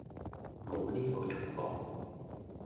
無呢個人噃